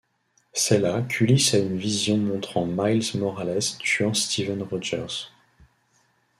C'est là qu'Ulysse a une vision montrant Miles Morales tuant Steven Rogers.